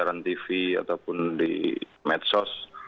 di rantivi ataupun di medsos